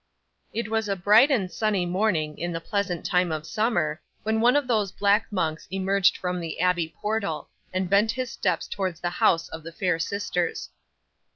'It was a bright and sunny morning in the pleasant time of summer, when one of those black monks emerged from the abbey portal, and bent his steps towards the house of the fair sisters.